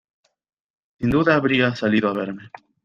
Sin duda había salido a verme.